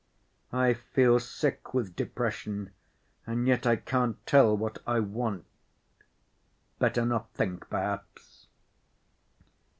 "I feel sick with depression and yet I can't tell what I want. Better not think, perhaps."